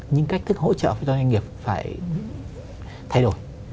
nhưng cách thức hỗ trợ cho doanh nghiệp phải thay đổi